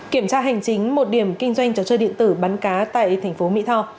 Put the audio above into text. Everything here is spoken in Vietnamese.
kiểm tra hành chính một điểm kinh doanh trò chơi điện tử bắn cá tại tp mỹ tho